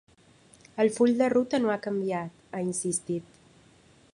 El full de ruta no ha canviat, ha insistit.